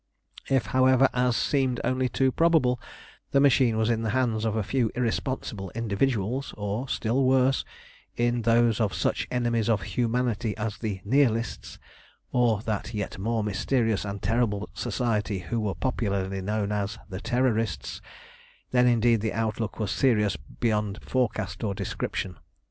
If, however, as seemed only too probable, the machine was in the hands of a few irresponsible individuals, or, still worse, in those of such enemies of humanity as the Nihilists, or that yet more mysterious and terrible society who were popularly known as the Terrorists, then indeed the outlook was serious beyond forecast or description.